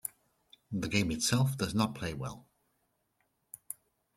The game itself does not play well.